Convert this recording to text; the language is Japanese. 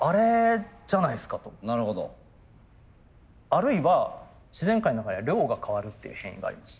あるいは自然界の中では量が変わるっていう変異があります。